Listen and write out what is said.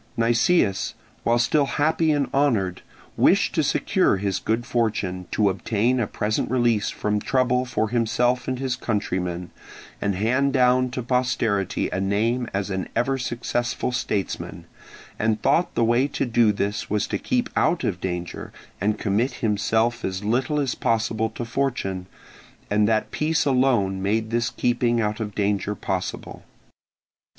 Nicias, while still happy and honoured, wished to secure his good fortune, to obtain a present release from trouble for himself and his countrymen, and hand down to posterity a name as an ever successful statesman, and thought the way to do this was to keep out of danger and commit himself as little as possible to fortune, and that peace alone made this keeping out of danger possible.